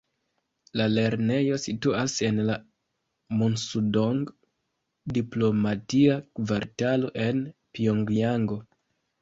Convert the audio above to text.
La lernejo situas en la Munsudong diplomatia kvartalo en Pjongjango.